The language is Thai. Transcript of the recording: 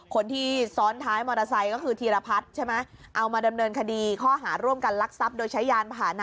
คนที่ซ้อนท้ายมอเตอร์ไซค์ก็คือธีรพัฒน์ใช่ไหมเอามาดำเนินคดีข้อหาร่วมกันลักทรัพย์โดยใช้ยานผ่านะ